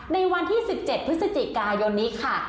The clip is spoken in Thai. ในวันที่๑๗พฤศจิกายนนี้ค่ะ